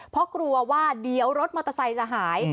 เพราะกลัวว่าเดี๋ยวรถมอเตอร์ไซค์จะหาย